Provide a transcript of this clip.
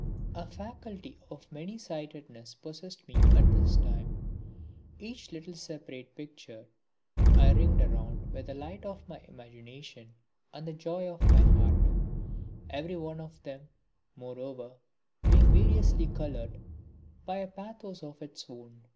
A faculty of many sightedness possessed me at this time. Each little separate picture I ringed round with the light of my imagination and the joy of my heart; every one of them, moreover, being variously coloured by a pathos of its own.